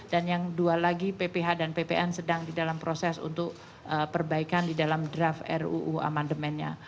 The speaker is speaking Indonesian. dan yang dua lagi pph dan ppn sedang di dalam proses untuk perbaikan di dalam draft ruu amendementnya